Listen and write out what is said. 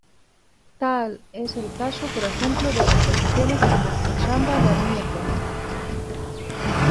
Tal es el caso, por ejemplo, de composiciones como "O samba da minha terra".